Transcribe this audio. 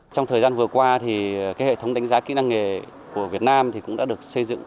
trong thời gian vừa qua thì hệ thống đánh giá kỹ năng nghề của việt nam cũng đã được xây dựng